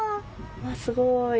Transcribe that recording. すごい。